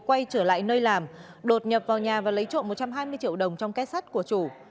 quay trở lại nơi làm đột nhập vào nhà và lấy trộm một trăm hai mươi triệu đồng trong kết sắt của chủ